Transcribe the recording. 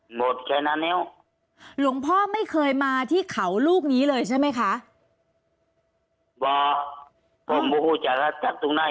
หมดแค่นั้นแล้วหลวงพ่อไม่เคยมาที่เขาลูกนี้เลยใช่ไหมคะ